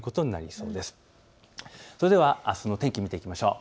それではあすの天気を見ていきましょう。